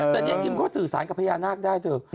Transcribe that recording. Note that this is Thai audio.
แต่เนี่ยกิมเขาสื่อสารกับพญานาคได้เถอะ